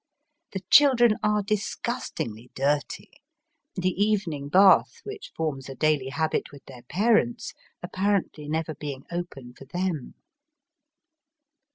The children are disgustingly dirty, the even ing .bath which forms a daily habit with their parents apparently never being open for them.